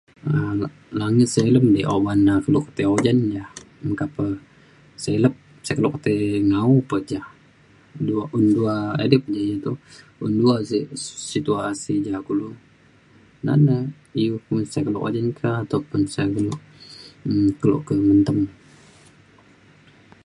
um la- langit silem di obak na kelo ke ti ujan ja meka pe silet silet kelo ke ti nga’o pe ja. dua un dua edip ji to un dua sek si- situasi ja kulu na na iu [unintelligible] ujan ka ataupun sek dulu um kelo ke mentem